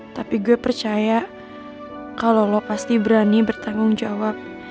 tapi gue percaya kalau lo pasti berani bertanggung jawab